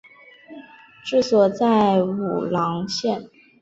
治所在武郎县。